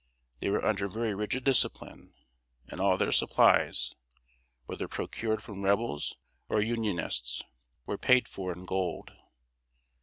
They were under very rigid discipline, and all their supplies, whether procured from Rebels or Unionists, were paid for in gold.